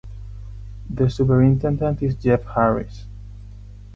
The superintendent is Jeff Harris.